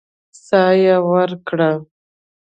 سا يې ورکړه.